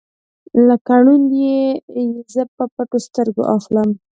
لکه ړوند یې زه په پټو سترګو اخلم